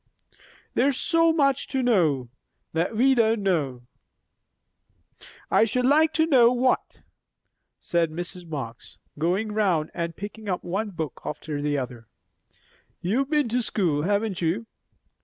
"There's so much to know, that we don't know!" "I should like to know what," said Mrs. Marx, going round and picking up one book after another. "You've been to school, haven't you?"